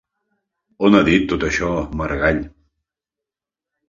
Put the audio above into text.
On ha dit tot això Maragall?